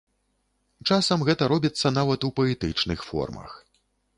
Часам гэта робіцца нават у паэтычных формах.